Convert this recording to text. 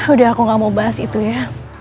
udah aku gak mau bahas itu ya